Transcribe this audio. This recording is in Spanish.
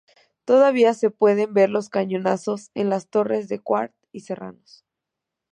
Todavía se pueden ver los cañonazos en las torres de Quart y Serranos.